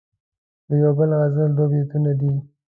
دیو بل غزل دوه بیتونه دي..